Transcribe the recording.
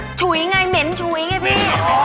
ฉุยไงเหม็นฉุยไงพี่